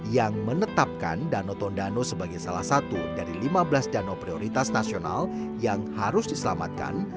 yang menetapkan danau tondano sebagai salah satu dari lima belas danau prioritas nasional yang harus diselamatkan